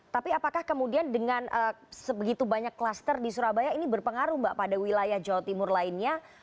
tapi apakah kemudian dengan sebegitu banyak klaster di surabaya ini berpengaruh mbak pada wilayah jawa timur lainnya